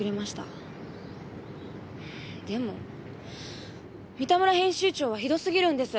でも三田村編集長はひど過ぎるんです。